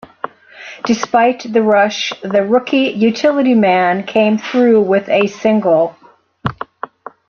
Despite the rush, the rookie utility man came through with a single.